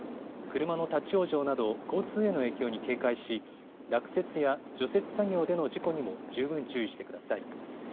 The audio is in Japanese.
車の立往生など交通への影響に警戒し落雪や除雪作業での事故にも十分注意してください。